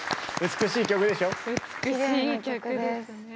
美しい曲ですね。